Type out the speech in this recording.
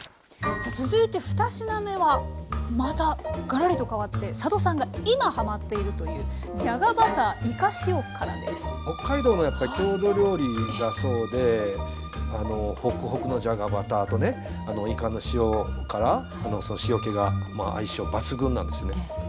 さあ続いて２品目はまたガラリと変わって佐渡さんが今ハマっているという北海道のやっぱり郷土料理だそうでほくほくのじゃがバターとねいかの塩辛の塩気が相性抜群なんですよね。